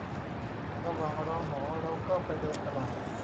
ระหว่างรอหมอ เราก็ไปเดินตลาด